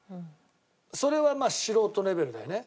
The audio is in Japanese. それはまあ素人レベルだよね。